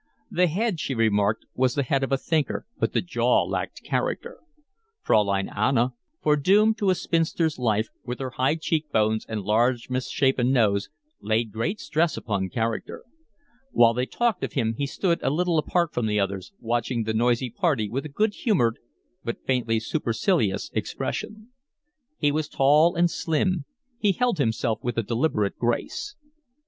The head, she remarked, was the head of a thinker, but the jaw lacked character. Fraulein Anna, foredoomed to a spinster's life, with her high cheek bones and large misshapen nose, laid great stress upon character. While they talked of him he stood a little apart from the others, watching the noisy party with a good humoured but faintly supercilious expression. He was tall and slim. He held himself with a deliberate grace.